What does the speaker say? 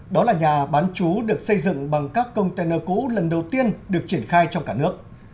đó là nhà bán chú được xây dựng bằng các container cũ lần đầu tiên được triển khai trong cả nước